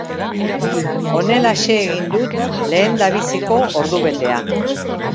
Honelaxe egin dut lehendabiziko ordubetea.